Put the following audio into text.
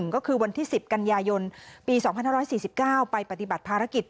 ก็คือวันที่๑๐กันยายนปี๒๕๔๙ไปปฏิบัติภารกิจ